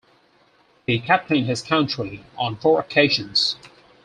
He captained his country on four occasions.